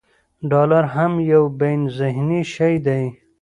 ډالر هم یو بینالذهني شی دی.